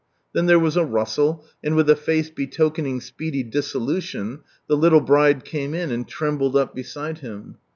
Then there was a rustle, and with a face betokening speedy dissolution, the little bride came in, and trembled up beside him.